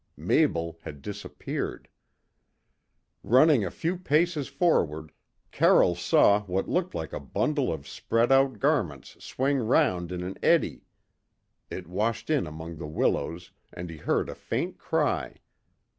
Mabel had disappeared. Running a few paces forward, Carroll saw what looked like a bundle of spread out garments swing round in an eddy. It washed in among the willows, and he heard a faint cry.